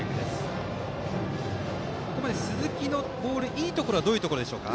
ここまで鈴木のボールいいところはどこでしょうか？